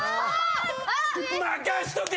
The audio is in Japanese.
任しとけ！